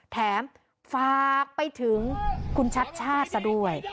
แถมฝากไปถึงคุณชัดชาติซะด้วย